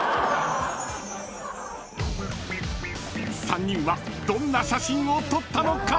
［３人はどんな写真を撮ったのか⁉］